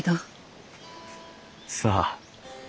さあ。